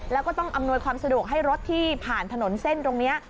แล้วก็ต้องอำนวยความสะดวกให้รถที่ผ่านถนนเส้นตรงนี้